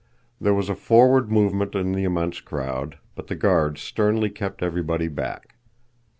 There was a forward movement in the immense crowd, but the guards sternly kept everybody back.